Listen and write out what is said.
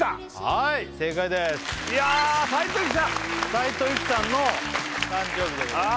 斉藤由貴さんの誕生日でございます